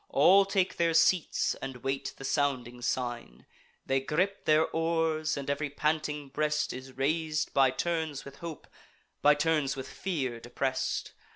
All take their seats, and wait the sounding sign: They gripe their oars; and ev'ry panting breast Is rais'd by turns with hope, by turns with fear depress'd.